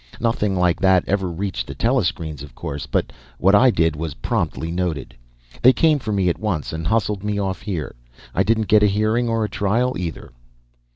Nothing like that ever reached the telescreens, of course, but what I did was promptly noted. They came for me at once and hustled me off here. I didn't get a hearing or a trial, either."